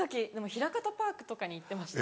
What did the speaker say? ひらかたパークとかに行ってました。